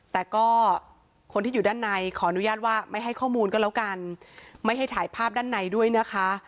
แต่ก็คนที่อยู่ด้านในขออนุญาตว่าไม่ให้ข้อมูลก็แล้วกันไม่ให้ถ่ายภาพด้านในด้วยนะคะ